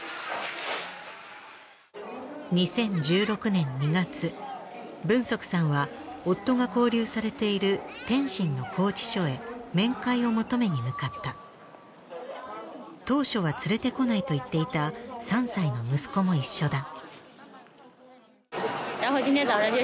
２０１６年２月文足さんは夫が拘束されている天津の拘置所へ面会を求めに向かった当初は連れてこないと言っていた３歳の息子も一緒だ